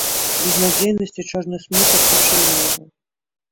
Безнадзейнасць і чорны смутак душылі яго.